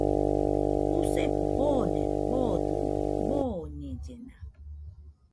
Jusefona jone boodɨno, dooñellena.